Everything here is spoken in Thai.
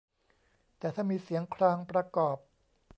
แต่ถ้ามีเสียงครางประกอบ